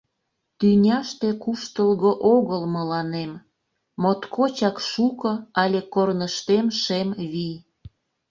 Тӱняште куштылго огыл мыланем: Моткочак шуко але корныштем шем вий.